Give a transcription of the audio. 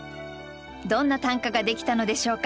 どんな短歌ができたのでしょうか？